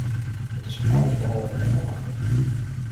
Het is allesbehalve engelachtig.